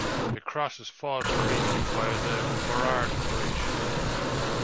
It crosses False Creek via the Burrard Bridge.